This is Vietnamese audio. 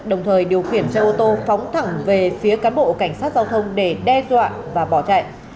đồng thời điều khiển xe ô tô phóng thẳng về phía cán bộ cảnh sát giao thông để đe dọa và bỏ chạy